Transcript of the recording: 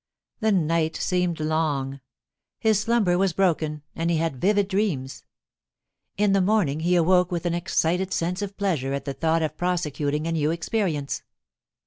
The night seemed long. His slumber was broken, and he had vivid dreams. In the morning he awoke with an excited sense of pleasure at the thought of prosecuting a new experience.